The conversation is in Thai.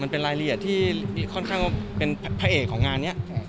เป็นรายละเอียดที่ค่อนข้างว่าเป็นพระเอกของงานนี้